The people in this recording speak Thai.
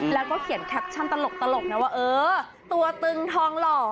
แล้วก็เขียนแคปชั่นตลกนะว่าเออตัวตึงทองหล่อ